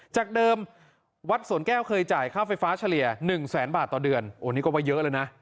จากเดิมวัดสวนแก้วเคยจ่ายค่าไฟฟ้าเฉลี่ย๑แสนบาทต่อเดือนโอ้นี่ก็ว่าเยอะเลยนะ